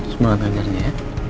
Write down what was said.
semoga selamat renanya ya